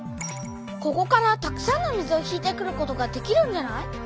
ここからたくさんの水を引いてくることができるんじゃない？